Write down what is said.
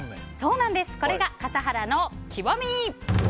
これが笠原の極み。